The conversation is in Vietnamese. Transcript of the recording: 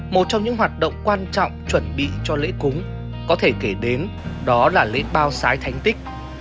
một trong những hoạt động quan trọng chuẩn bị cho lễ cúng có thể kể đến đó là lễ bao sái thành tích